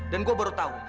dan gue baru tau